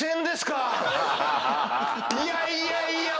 いやいやいや！